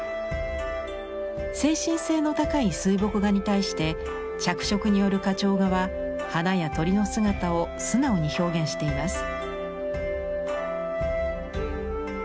精神性の高い水墨画に対して着色による花鳥画は花や鳥の姿を素直に表現しています。